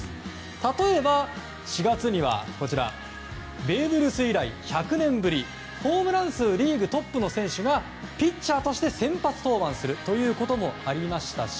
例えば４月にはベーブ・ルース以来１００年ぶりホームラン数トップの選手がピッチャーとして先発登板するということもありましたし